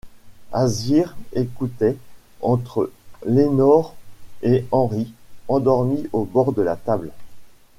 Alzire écoutait, entre Lénore et Henri, endormis au bord de la table.